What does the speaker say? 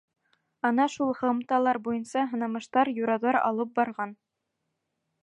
Ана шул һығымталар буйынса һынамыштар, юрауҙар алып барған.